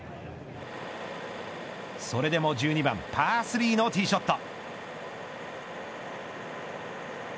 それでも１２番パー３のティーショット。